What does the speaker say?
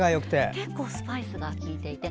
結構スパイスが効いていて。